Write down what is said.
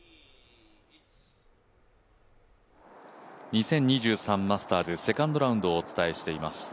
２０２３マスターズ、セカンドラウンドをお伝えしています。